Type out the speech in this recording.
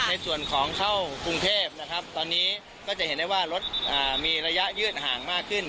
ในส่วนของเข้ากรุงเทพนะครับตอนนี้ก็จะเห็นได้ว่ารถมีระยะยืดห่างมากขึ้น